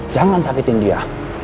jangan sakitin dia